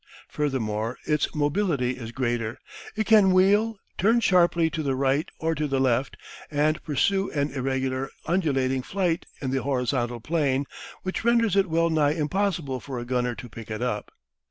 Furthermore its mobility is greater. It can wheel, turn sharply to the right or to the left, and pursue an irregular undulating flight in the horizontal plane, which renders it well nigh impossible for a gunner to pick it up.